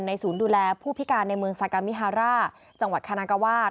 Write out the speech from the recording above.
ศูนย์ดูแลผู้พิการในเมืองซากามิฮาร่าจังหวัดคณะกวาส